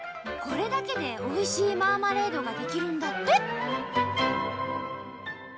これだけでおいしいマーマレードが出来るんだって！